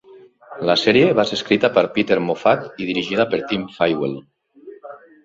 La sèrie va ser escrita per Peter Moffat i dirigida per Tim Fywell.